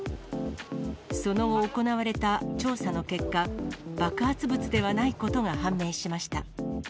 その後、行われた調査の結果、爆発物ではないことが判明しました。